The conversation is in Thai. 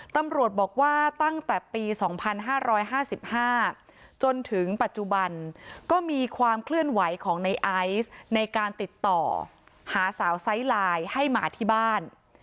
ตำรวจบอกว่าตั้งแต่ปี๒๕๕๕จนถึงปัจจุบันก็มีความเคลื่อนไหวของในไอซ์ในการติดต่อหาสาวไซส์ไลน์ให้มาที่บ้าน